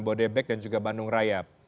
bodebek dan juga bandung raya